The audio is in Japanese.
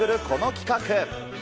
この企画。